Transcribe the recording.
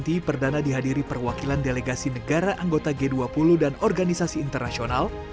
atau som g dua puluh perdana dihadiri perwakilan delegasi negara anggota g dua puluh dan organisasi internasional